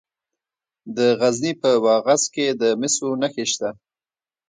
د غزني په واغظ کې د مسو نښې شته.